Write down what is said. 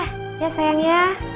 ya ya sayang ya